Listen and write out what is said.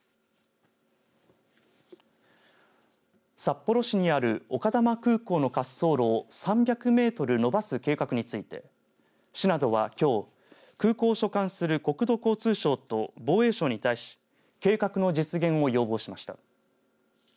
札幌市にある丘珠空港の滑走路を３００メートル延ばす計画について市などは、きょう空港を所管する国土交通省と防衛省に対し計画の実現を要望しました。